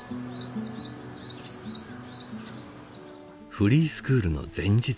フリースクールの前日。